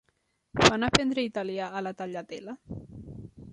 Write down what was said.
Fan aprendre italià a la Tagliatella?